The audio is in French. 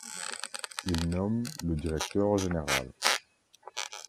Il nomme le directeur général.